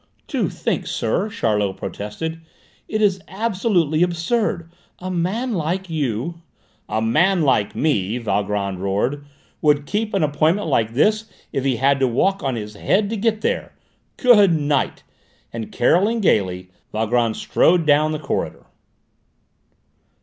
"Do think, sir," Charlot protested: "it is absolutely absurd! A man like you " "A man like me," Valgrand roared, "would keep an appointment like this if he had to walk on his head to get there! Good night!" and carolling gaily, Valgrand strode down the corridor.